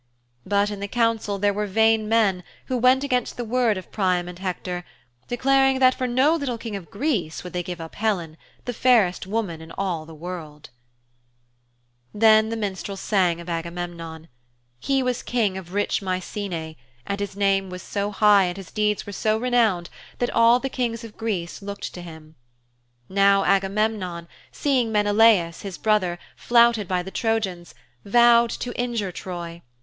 But in the council there were vain men who went against the word of Priam and Hector, declaring that for no little King of Greece would they give up Helen, the fairest woman in all the world. Then the minstrel sang of Agamemnon. He was King of rich Mycenæ, and his name was so high and his deeds were so renowned that all the Kings of Greece looked to him. Now Agamemnon, seeing Menelaus, his brother, flouted by the Trojans, vowed to injure Troy.